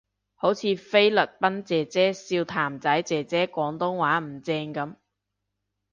好似菲律賓姐姐笑譚仔姐姐廣東話唔正噉